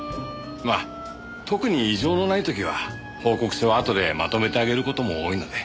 まあ特に異状のない時は報告書はあとでまとめて上げる事も多いので。